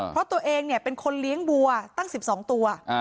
เพราะตัวเองเป็นคนเลี้ยงวัวตั้ง๑๒ตัว